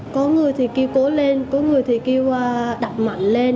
có người thì kêu cố lên có người thì kêu đặt mạnh lên